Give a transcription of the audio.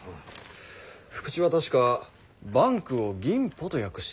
福地は確か「バンク」を「銀舗」と訳していましたが。